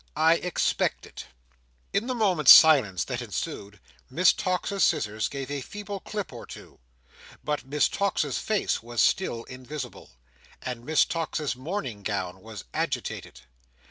I expect it." In the moment's silence that ensued, Miss Tox's scissors gave a feeble clip or two; but Miss Tox's face was still invisible, and Miss Tox's morning gown was agitated.